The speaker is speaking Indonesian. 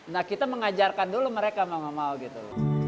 nah kita mengajarkan dulu mereka mau mau gitu